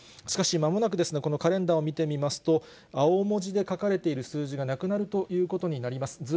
しかし間もなく、このカレンダーを見てみますと、青文字で書かれている数字がなくなるということになります。